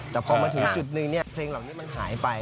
แต่พอมาถึงจุดนึงเนี่ยเพลงเหล่านี้มันหายไป